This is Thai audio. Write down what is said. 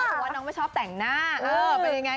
เพราะว่าน้องไม่ชอบแต่งหน้า